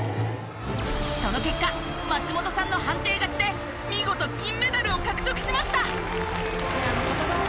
その結果松本さんの判定勝ちで見事金メダルを獲得しました！